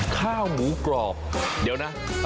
ข้าวหมูกรอบเดี๋ยวนะ